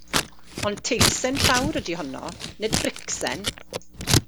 Ond teilsen llawr ydy honno, nid bricsen.